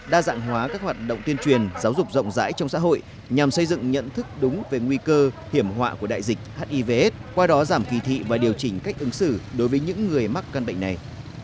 đa dạng hóa các hoạt động tuyên truyền giáo dục rộng rãi trong xã hội nhằm xây dựng nhận thức đúng về nguy cơ hiểm họa của đại dịch hivs qua đó giảm kỳ thị và điều chỉnh cách ứng xử đối với những người mắc căn bệnh này